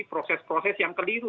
proses proses yang keliru